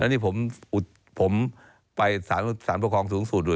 แล้วนี่ผมไปสารประคองสูงสุด